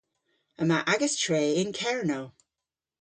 Yma agas tre yn Kernow.